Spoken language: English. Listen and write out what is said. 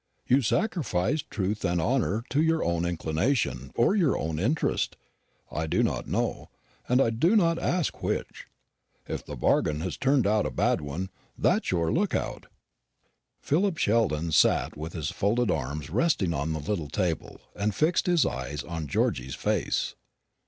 You sacrificed truth and honour to your own inclination, or your own interest, I do not know, and do not ask which. If the bargain has turned out a bad one, that's your look out." Philip Sheldon sat with his folded arms resting on the little table and his eyes fixed on Georgy's face.